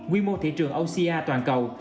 quy mô thị trường ocr toàn cầu